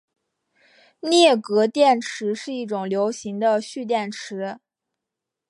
镍镉电池是一种流行的蓄电池。